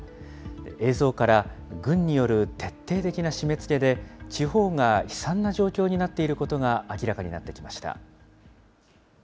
映像から、軍による徹底的な締めつけで、地方が悲惨な状況になっていることが明らかになってきま